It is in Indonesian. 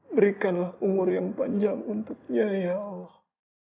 berikanlah umur yang panjang untuknya ya allah